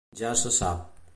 Ja se sap.